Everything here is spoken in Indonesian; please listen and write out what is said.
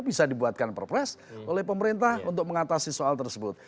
bisa dibuatkan perpres oleh pemerintah untuk mengatasi soal tersebut